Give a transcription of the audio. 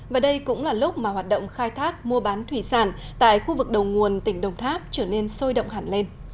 và đây cũng là lúc mà hoạt động khai thác mua bán thủy sản tại khu vực đầu nguồn tỉnh đồng tháp trở nên sôi động hẳn lên